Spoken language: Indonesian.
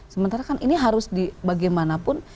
sementara kan ini harus bagaimanapun